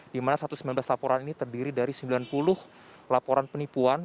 di mana satu ratus sembilan belas laporan ini terdiri dari sembilan puluh laporan penipuan